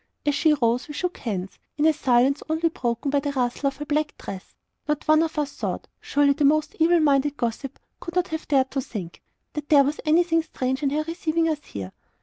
As she rose, and we shook hands, in a silence only broken by the rustle of her black dress, not one of us thought surely the most evil minded gossip could not have dared to think that there was anything strange in her receiving us here.